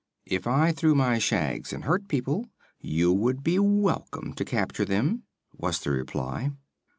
"If I threw my shags and hurt people, you would be welcome to capture them," was the reply.